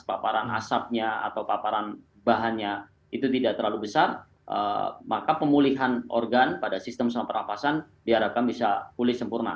paparan asapnya atau paparan bahannya itu tidak terlalu besar maka pemulihan organ pada sistem saluran pernafasan diharapkan bisa pulih sempurna